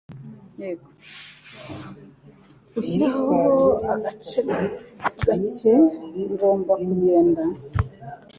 Unshyireho agace kake. Ngomba kugenda.